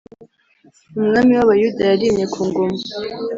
umwami w’ Abayuda yarimye kungoma.